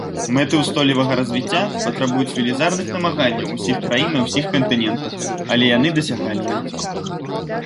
Мэты ўстойлівага развіцця патрабуюць велізарных намаганняў усіх краін на ўсіх кантынентах, але яны дасягальныя.